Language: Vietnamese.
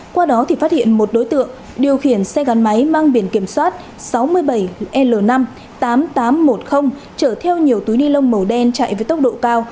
qua đó thì phát hiện một đối tượng điều khiển xe gắn máy mang biển kiểm soát sáu mươi bảy l năm tám nghìn tám trăm một mươi chở theo nhiều túi ni lông màu đen chạy với tốc độ cao